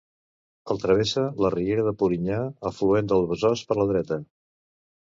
El travessa la riera de Polinyà, afluent del Besòs per la dreta.